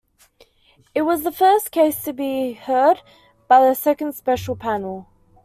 It was the first case to be heard by the Second Special Panel.